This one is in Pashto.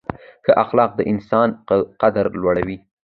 ښه اخلاق د انسان قدر لوړوي.